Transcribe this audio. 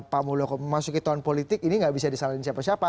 pak muldoko memasuki tahun politik ini nggak bisa disalahin siapa siapa